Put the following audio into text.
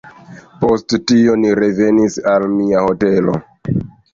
Post tio ni revenis al mia hotelo.